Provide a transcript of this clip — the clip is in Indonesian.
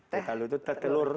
teh talu itu teh telur